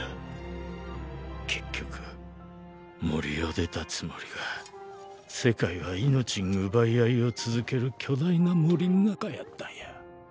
結局森を出たつもりが世界は命ん奪い合いを続ける巨大な森ん中やったんや。